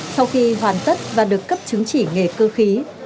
sau khi hoàn tất và được cấp chứng chỉ nghề cơ khí